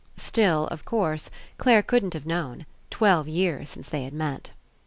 Still, of course, Clare couldn't 55 PASSING have known. Twelve years since they had met.